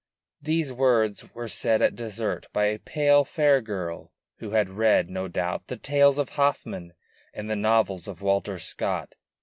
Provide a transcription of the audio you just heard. These words were said at dessert by a pale fair girl, who had read, no doubt, the tales of Hoffmann and the novels of Walter Scott.